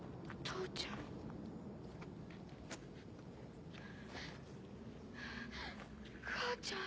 父ちゃん！